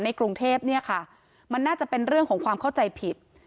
กรุงเทพเนี่ยค่ะมันน่าจะเป็นเรื่องของความเข้าใจผิด